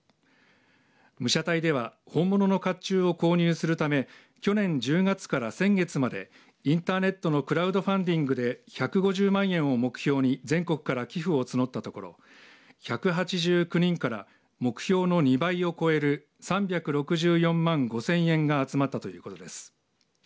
武者隊では本物のかっちゅうを購入するため去年１０月から先月までインターネットのクラウドファンディングで１５０万円を目標に全国から寄付を募ったところ１８９人から目標の２倍を超える３６４万５０００円が集まったということです。